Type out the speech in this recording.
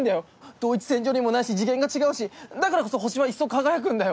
同一線上にもないし次元が違うしだからこそ星は一層輝くんだよ。